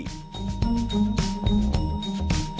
ketua kebanyakan tempat yang terkenal di indonesia